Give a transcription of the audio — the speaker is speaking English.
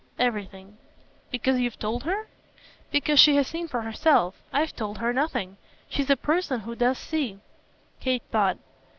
"Everything." "Because you've told her?" "Because she has seen for herself. I've told her nothing. She's a person who does see." Kate thought.